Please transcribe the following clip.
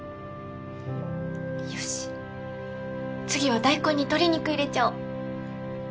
よし次は大根に鶏肉入れちゃお。